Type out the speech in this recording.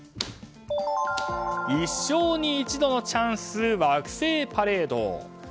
一生に一度のチャンス惑星パレード。